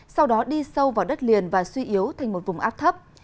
sau đó đi sâu vào đất liền và suy yếu thành một vùng áp thấp